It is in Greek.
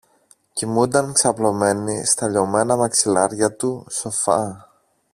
κοιμούνταν ξαπλωμένη στα λιωμένα μαξιλάρια του σοφά